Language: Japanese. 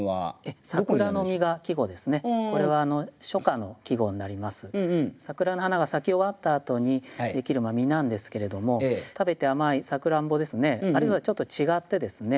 これちなみになんですけども桜の花が咲き終わったあとにできる実なんですけれども食べて甘いさくらんぼですねあるいはちょっと違ってですね